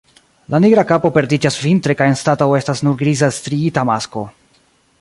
La nigra kapo perdiĝas vintre kaj anstataŭ estas nur griza striita masko.